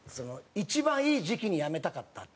「一番いい時期にやめたかった」って。